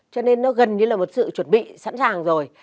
cho nên nó gần như là một sự chuẩn bị sẵn sàng rồi